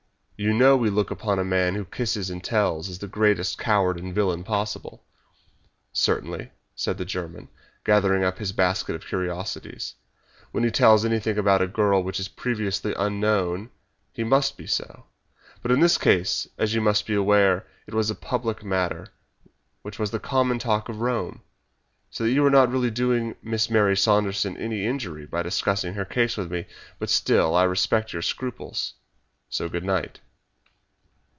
You know we look upon a man who kisses and tells as the greatest coward and villain possible." "Certainly," said the German, gathering up his basket of curiosities, "when he tells anything about a girl which is previously unknown he must be so. But in this case, as you must be aware, it was a public matter which was the common talk of Rome, so that you are not really doing Miss Mary Saunderson any injury by discussing her case with me. But still, I respect your scruples; and so good night!"